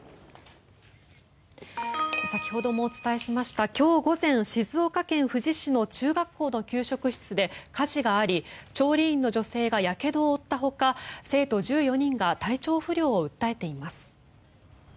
先ほどもお伝えしました今日午前、静岡県富士市の中学校の給食室で火事があり調理員の女性がやけどを負ったほか生徒１４人が体調不良を訴えています。